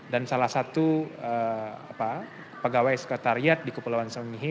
dan salah satu pegawai sekretariat di kepulauan sangihe